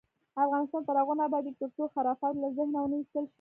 افغانستان تر هغو نه ابادیږي، ترڅو خرافات له ذهنه ونه ایستل شي.